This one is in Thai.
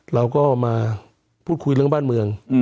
เราก็มาพูดคุยเรื่องบ้านเมือง